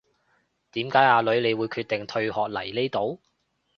點解阿女你會決定退學嚟呢度